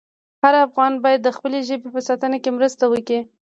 هر افغان باید د خپلې ژبې په ساتنه کې مرسته وکړي.